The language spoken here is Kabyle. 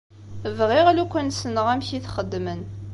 Bɣiɣ lukan ssneɣ amek i t-xeddmen.